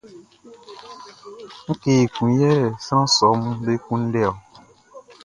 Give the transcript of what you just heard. Ngue ekun yɛ sran sɔʼm be kunndɛ ɔ?